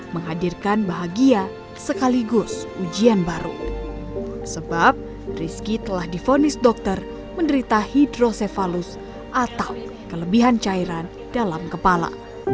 menghadirkan bahagia sekaligus ujian baru sebab rizky telah difonis dokter menderita hidrosefalus atau kelebihan cairan dalam kepala